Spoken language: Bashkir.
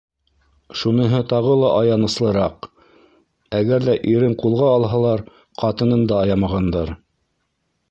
Шуныһы тағы ла аяныслыраҡ: әгәр ҙә ирен ҡулға алһалар, ҡатынын да аямағандар.